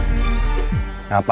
apa yang maksud kamu